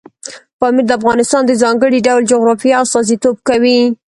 پامیر د افغانستان د ځانګړي ډول جغرافیه استازیتوب کوي.